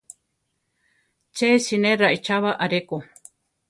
Ché siné raichába aréko.